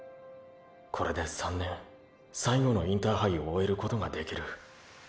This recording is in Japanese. これで３年最後のインターハイを終えることができる。